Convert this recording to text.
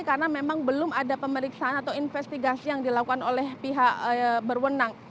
karena memang belum ada pemeriksaan atau investigasi yang dilakukan oleh pihak berwenang